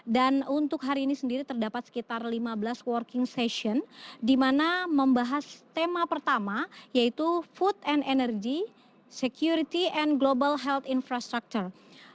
dan untuk hari ini sendiri terdapat sekitar lima belas working session di mana membahas tema pertama yaitu food and energy security and global health infrastructure